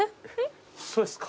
そうですか。